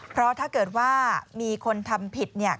เพราะถ้าเกิดว่ามีคนทำผิดเนี่ย